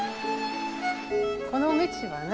この道はね